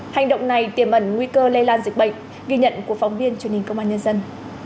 hành động này tiềm ẩn nguy cơ lây lan dịch bệnh ghi nhận của phóng viên truyền hình công an nhân dân